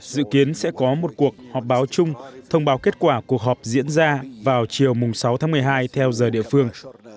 dự kiến sẽ có một cuộc họp báo chung thông báo kết quả cuộc họp diễn ra vào chiều sáu tháng một mươi hai theo giờ địa phương